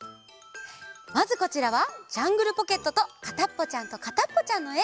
まずこちらは「ジャングルポケット」と「かたっぽちゃんとかたっぽちゃん」のえ。